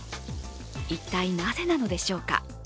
いったい、なぜなのでしょうか。